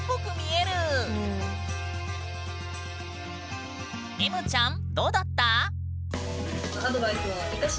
えむちゃんどうだった？